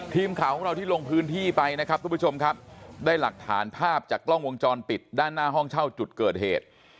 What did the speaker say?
ทีมข่าวของเราที่ลงพื้นที่ไปนะครับทุกผู้ชมครับได้หลักฐานภาพจากกล้องวงจรปิดด้านหน้าห้องเช่าจุดเกิดเหตุ